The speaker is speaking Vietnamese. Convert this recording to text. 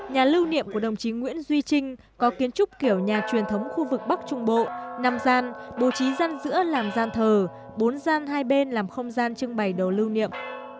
nhà lưu niệm của đồng chí nguyễn duy trinh có kiến trúc kiểu nhà truyền thống khu vực bắc trung bộ năm gian bố trí gian giữa làm gian thờ bốn gian hai bên làm không gian trưng bày đồ lưu niệm